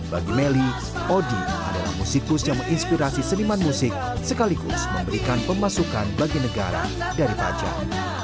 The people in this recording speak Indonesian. bagi melly odi adalah musikus yang menginspirasi seniman musik sekaligus memberikan pemasukan bagi negara dari pajak